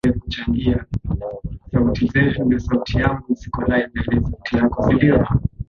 na leo kuna ripoti jipya limetoka hivi karibuni kutoka tasi moja ya